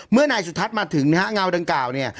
นายสุทัศน์มาถึงนะฮะเงาดังกล่าวเนี่ย